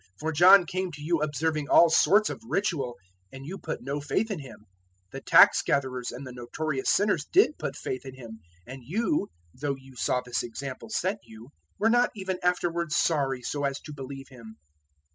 021:032 For John came to you observing all sorts of ritual, and you put no faith in him: the tax gatherers and the notorious sinners did put faith in him, and you, though you saw this example set you, were not even afterwards sorry so as to believe him.